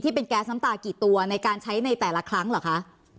เป็นแก๊สน้ำตากี่ตัวในการใช้ในแต่ละครั้งเหรอคะ